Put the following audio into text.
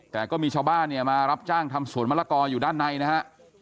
แต่ก็มีชาวบ้านเนี่ยมารับจ้างทำสวนมะละกออยู่ด้านในนะฮะ